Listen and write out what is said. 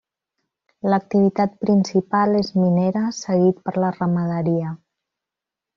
L'activitat principal és minera seguit per la ramaderia.